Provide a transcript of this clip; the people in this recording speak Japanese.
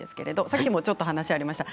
さっきもちょっとありました